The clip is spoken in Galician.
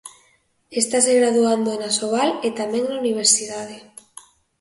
Estase graduando na Asobal e tamén na universidade.